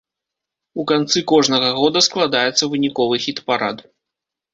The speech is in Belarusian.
У канцы кожнага года складаецца выніковы хіт-парад.